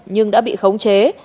nhưng đã bị khống chế